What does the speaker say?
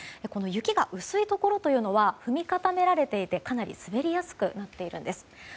この雪が薄いところというのは踏み固められていてかなり滑りやすくなっているんです。